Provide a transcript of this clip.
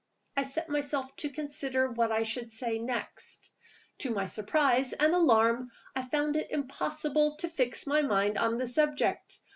I set myself to consider what I should say next. To my surprise and alarm, I found it impossible to fix my mind on the subject.